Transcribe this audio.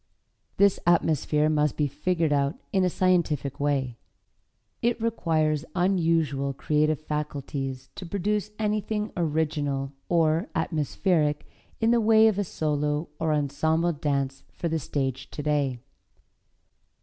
This atmosphere must be figured out in a scientific way. It requires unusual creative faculties to produce anything original or atmospheric in the way of a solo or ensemble dance for the stage today.